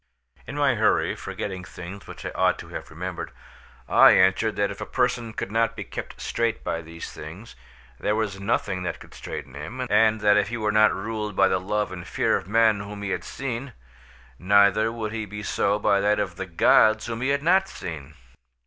In my hurry, forgetting things which I ought to have remembered, I answered that if a person could not be kept straight by these things, there was nothing that could straighten him, and that if he were not ruled by the love and fear of men whom he had seen, neither would he be so by that of the gods whom he had not seen.